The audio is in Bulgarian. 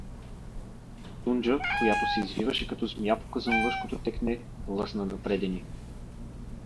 Тунджа, която се извиваше като змия по казанлъшкото текне, лъсна напреде ни.